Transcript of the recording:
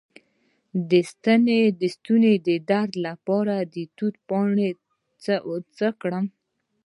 د ستوني درد لپاره د توت پاڼې څه کړم؟